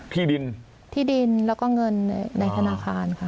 ที่ดินที่ดินแล้วก็เงินในธนาคารค่ะ